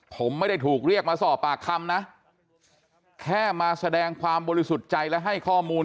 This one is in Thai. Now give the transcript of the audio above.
ผมไม่ได้ถูกเรียกมาสอบปากคำนะแค่มาแสดงความบริสุทธิ์ใจและให้ข้อมูล